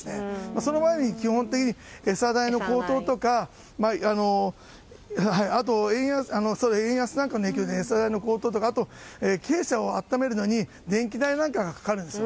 それまでに基本的に餌代の高騰とかあと、円安なんかの影響で餌代の高騰だとかあとは鶏舎を暖めるのに電気代がかかるんですよ。